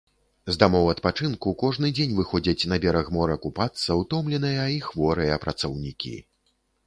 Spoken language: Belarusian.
З дамоў адпачынку кожны дзень выходзяць на бераг мора купацца ўтомленыя і хворыя працаўнікі.